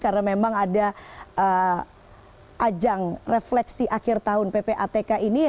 karena memang ada ajang refleksi akhir tahun ppatk ini